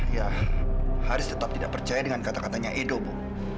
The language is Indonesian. ya harus tetap tidak percaya dengan kata katanya edo bu